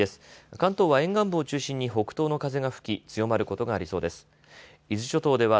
関東は沿岸部を中心に北東の風が吹き強まることがありそうです。